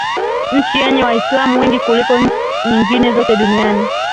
nchi yenye Waislamu wengi kuliko nyingine zote duniani